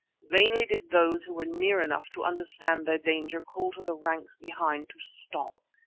Vainly did those who were near enough to understand their danger call to the ranks behind to stop.